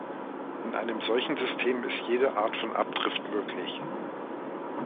In einem solchen System ist jede Art von Abtrift möglich.